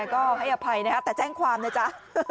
ก็ให้อภัยนะครับแต่แจ้งความนะจ๊ะ